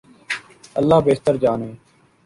اللہ بہتر جانے۔